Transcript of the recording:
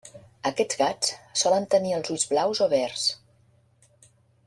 Aquests gats solen tenir els ulls blaus o verds.